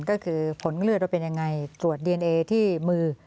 ก็คือผลเลือดว่าเป็นยังไงตรวจดีเอนเอที่มือ